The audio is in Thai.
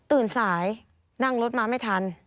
สายนั่งรถมาไม่ทัน